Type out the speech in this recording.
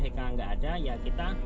untuk mereka yang sakit